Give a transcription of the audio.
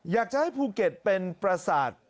อยากจะให้ภูเก็ตเป็นประสาท